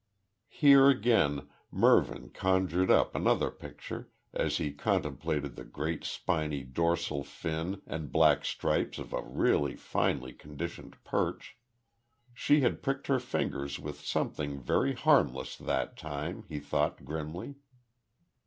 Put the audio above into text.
Here again Mervyn conjured up another picture as he contemplated the great spiny dorsal fin and black stripes of a really finely conditioned perch. She had pricked her fingers with something very harmless that time, he thought, grimly.